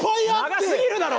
長すぎるだろ！